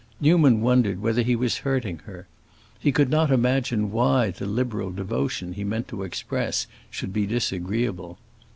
Newman wondered whether he was hurting her; he could not imagine why the liberal devotion he meant to express should be disagreeable.